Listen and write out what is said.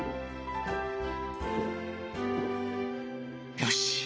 よし。